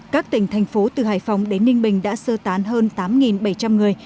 các tỉnh thành phố từ hải phòng đến ninh bình đã sơ tán hơn tám bảy trăm linh người